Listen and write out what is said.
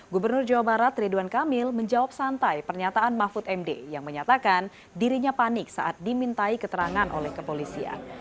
gubernur jawa barat ridwan kamil menjawab santai pernyataan mahfud md yang menyatakan dirinya panik saat dimintai keterangan oleh kepolisian